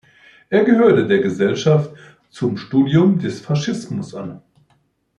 Er gehörte der Gesellschaft zum Studium des Faschismus an.